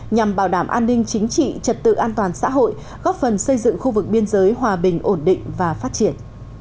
nhằm bảo đảm an ninh chính trị trật tự an toàn xã hội góp phần xây dựng khu vực biên giới hòa bình ổn định và phát triển